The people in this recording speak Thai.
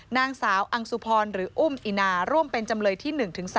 นางสาวอังสุพรหรืออุ้มอินาร่วมเป็นจำเลยที่๑๒